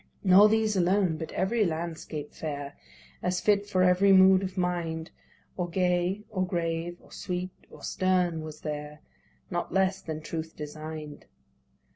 Nor these alone, but every landscape fair, As fit for every mood of mind, Or gay, or grave, or sweet, or stern, was there, Not less than truth design'd.